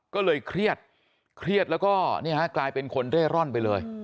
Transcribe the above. ก็เลยเครียดเครียดแล้วก็กลายเป็นคนเร่ร่อนไปเลย